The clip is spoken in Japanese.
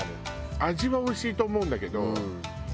味はおいしいと思うんだけどあの見た目が。